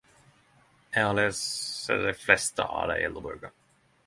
Eg har lese dei fleste av dei eldre bøkene.